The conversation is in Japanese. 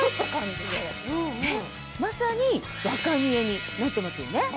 まさに若見えになってますよね。